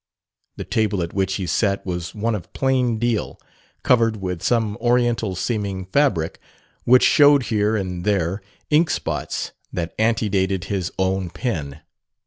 The table at which he sat was one of plain deal, covered with some Oriental seeming fabric which showed here and there inkspots that antedated his own pen.